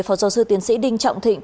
phó giáo sư tiến sĩ đinh trọng thịnh